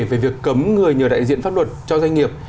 về việc cấm người nhờ đại diện pháp luật cho doanh nghiệp